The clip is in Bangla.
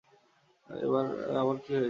এবার আবার কী করেছে?